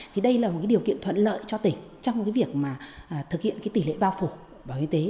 thì đây là một cái điều kiện thuận lợi cho tỉnh trong cái việc mà thực hiện cái tỷ lệ bao phủ bảo hiểm y tế